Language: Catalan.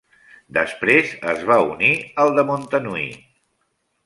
Després es va unir al de Montanui.